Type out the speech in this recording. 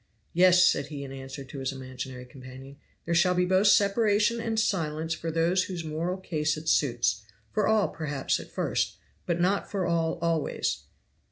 "Yes," said he, in answer to his imaginary companion, "there shall be both separation and silence for those whose moral case it suits for all, perhaps, at first but not for all always.